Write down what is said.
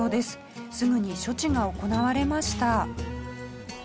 すぐに処置が行われました。